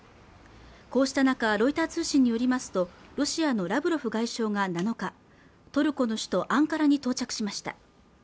こうした中ロイター通信によりますとロシアのラブロフ外相が７日トルコの首都アンカラに到着しました